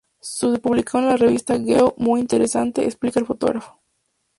Se publicaron en las revistas "Geo", "Muy Interesante"…", explica el fotógrafo.